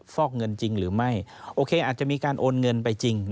ฟอกเงินจริงหรือไม่โอเคอาจจะมีการโอนเงินไปจริง